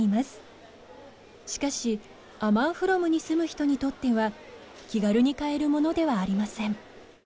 しかしアマンフロムに住む人にとっては気軽に買えるものではありません。